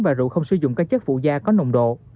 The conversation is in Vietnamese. và rượu không sử dụng các chất phụ da có nồng độ